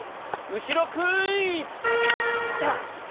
うしろクイズ！スタート。